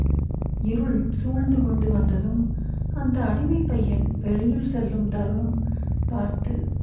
இருள் சூழ்ந்து கொண்டு வந்ததும், அந்த அடிமைப் பையன் வெளியில் செல்லும் தருணம் பார்த்து.